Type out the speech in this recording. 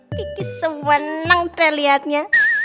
kiki sewenang deh liatnya